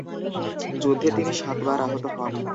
যুদ্ধে তিনি সাতবার আহত হন।